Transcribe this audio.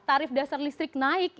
tarif dasar listrik naik